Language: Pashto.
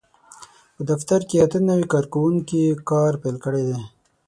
په دفتر کې اته نوي کارکوونکي کار پېل کړی دی.